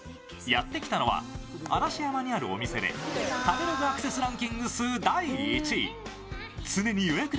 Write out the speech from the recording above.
やってきたのは嵐山にあるお店で食べログアクセスランキング数ランキング